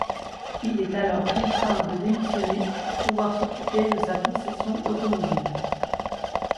Il est alors contraint de démissionner pour pouvoir s'occuper de sa concession automobile.